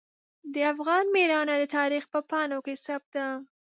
د افغان میړانه د تاریخ په پاڼو کې ثبت ده.